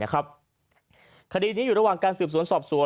คดีนี้อยู่ระหว่างการสืบสวนสอบสวน